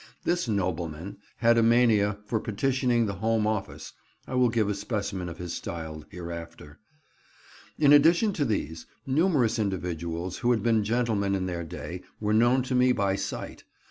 This nobleman! had a mania for petitioning the Home Office (I will give a specimen of his style hereafter). In addition to these, numerous individuals who had been gentlemen in their day were known to me by sight.